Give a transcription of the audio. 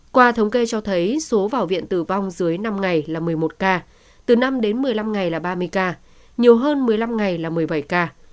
qua thống kê cho thấy số vào viện tử vong dưới năm ngày là một mươi một ca từ năm đến một mươi năm ngày là ba mươi ca nhiều hơn một mươi năm ngày là một mươi bảy ca